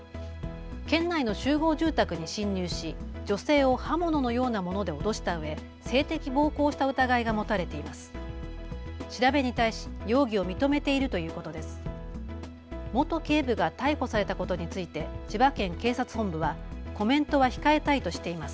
県内の集合住宅に侵入し女性を刃物のようなもので脅したうえ性的暴行をした疑いが持たれています。